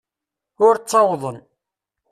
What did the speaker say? Ur ttawḍen.